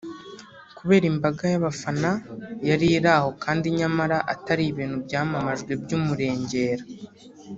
kubera imbaga y’abafana yari iraho kandi nyamara atari ibintu byamamajwe by’umurengera